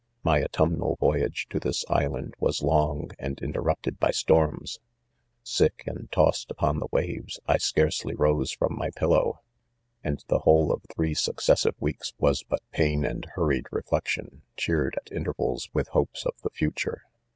c My autumnal voyage to this island was long end interrupted by storms. Sick and tossed upon the waves I scarcely rose from my pil THE CONFESSIONS, 63 low, and the whole of three successive weeks' was but pain and hurried reflection, cheered at intervals with hopes of the future.